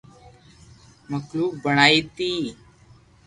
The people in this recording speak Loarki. مخلوق بڻائي ٿي